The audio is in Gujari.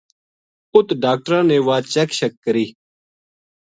اُت ڈاکٹراں نے واہ چیک شیک کری